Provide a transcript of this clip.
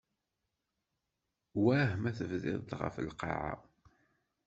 Wah ma tebdiḍ-d ɣef lqaε?